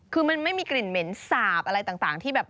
คือมันไม่มีกลิ่นเหม็นสาบอะไรต่างที่แบบ